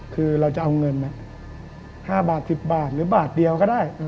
คือเราจะเอาเงิน๕บาท๑๐บาทหรือบาทเดียวก็ได้